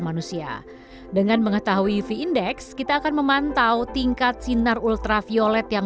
manusia dengan mengetahui fee index kita akan memantau tingkat sinar ultraviolet yang